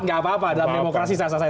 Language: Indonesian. nggak apa apa dalam demokrasi sasar saya